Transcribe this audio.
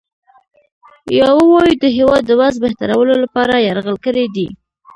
یا ووایو د هیواد د وضع بهترولو لپاره یرغل کړی دی.